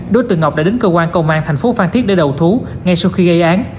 đối tượng ngọc đã đến cơ quan công an thành phố phan thiết để đầu thú ngay sau khi gây án